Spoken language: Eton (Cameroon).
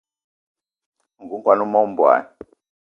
Nku kwan o mog mbogui.